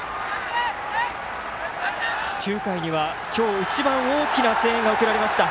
９回には今日、一番大きな声援が送られました。